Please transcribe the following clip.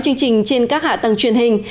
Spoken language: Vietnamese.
chương trình trên các hạ tầng truyền hình